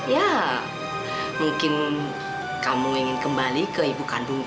ya mungkin kamu ingin kembali ke ibu kandung